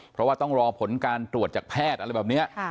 เพราะว่าต้องรอผลการตรวจจากแพทย์อะไรแบบนี้